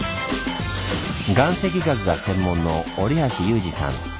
岩石学が専門の折橋裕二さん。